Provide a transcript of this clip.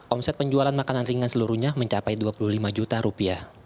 omset penjualan makanan ringan seluruhnya mencapai rp dua puluh lima